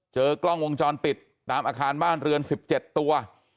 เจอกล้องวงจรปิดตามอาคารบ้านเรือน๑๗ตัว